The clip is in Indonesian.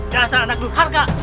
gak salah anak duharka